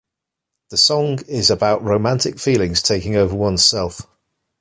The song is about romantic feelings taking over ones self.